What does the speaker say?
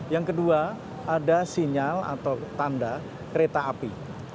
yang kedua ada sinyal atau tanda kereta api